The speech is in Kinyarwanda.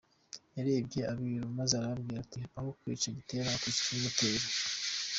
Yarebye Abiru, maze arababwira ati “Aho kwica Gitera wakwica ikibimutera.